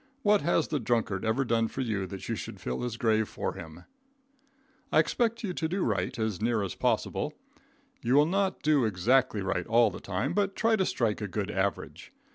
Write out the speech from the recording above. What has the drunkard ever done for you, that you should fill his grave for him? [Illustration: ROUGH ON THE OLD CAT.] I expect you to do right, as near as possible. You will not do exactly right all the time, but try to strike a good average.